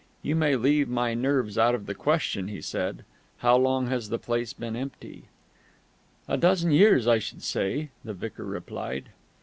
"You may leave my nerves out of the question," he said. "How long has the place been empty?" "A dozen years, I should say," the vicar replied.